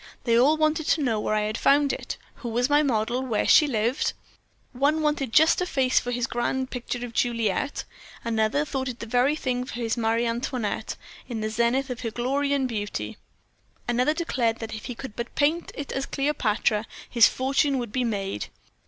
They all wanted to know where I had found it, who was my model, where she lived. One wanted just such a face for his grand picture of Juliet, another thought it the very thing for his Marie Antoinette, in the zenith of her glory and beauty. Another declared that if he could but paint it as Cleopatra, his fortune would be made.